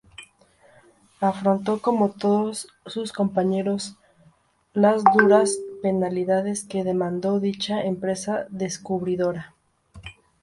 Afrontó, como todos sus compañeros, las duras penalidades que demandó dicha empresa descubridora.